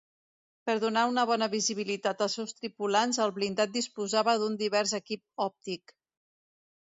Per donar una bona visibilitat als seus tripulants el blindat disposava d'un divers equip òptic.